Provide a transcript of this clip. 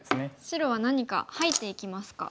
白は何か入っていきますか。